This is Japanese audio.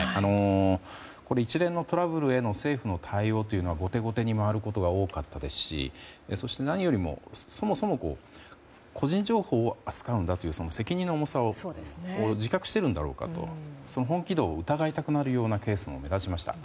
一連のトラブルへの政府の対応というのは後手後手に回ることが多かったですしそもそも個人情報を扱うんだという責任の重さを自覚してるんだろうかと本気度を疑いたくなるようなケースも目立ちました。